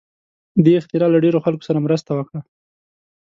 دې اختراع له ډېرو خلکو سره مرسته وکړه.